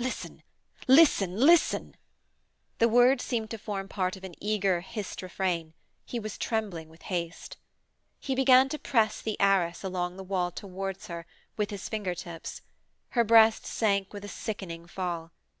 'Listen! listen! listen!' The words seemed to form part of an eager, hissed refrain. He was trembling with haste. He began to press the arras, along the wall towards her, with his finger tips. Her breast sank with a sickening fall.